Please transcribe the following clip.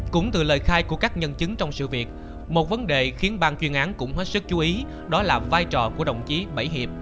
cũng từ lời khai của các nhân chứng trong sự việc một vấn đề khiến bang chuyên án cũng hết sức chú ý đó là vai trò của đồng chí bảy hiệp